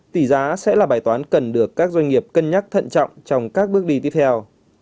tỷ giá sẽ là bài toán cần được các doanh nghiệp cân nhắc thận trọng trong các bước đi tiếp theo